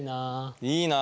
いいな。